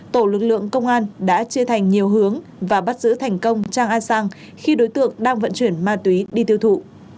tổ lực lượng công an đã chia thành nhiều hướng và bắt giữ thành công trang a sang khi đối tượng đang vận chuyển ma túy đi tiêu thụ